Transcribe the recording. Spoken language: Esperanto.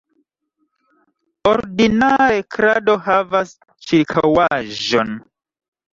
Ordinare krado havas ĉirkaŭaĵon.